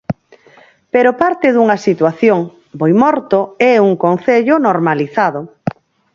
Pero parte dunha situación: Boimorto é un concello normalizado.